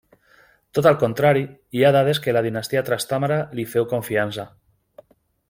Tot al contrari, hi ha dades que la Dinastia Trastàmara li féu confiança.